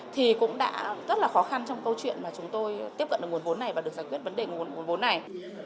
thì cũng đã rất là khó khăn trong câu chuyện mà chúng tôi tiếp cận được nguồn vốn này và được giải quyết vấn đề nguồn vốn này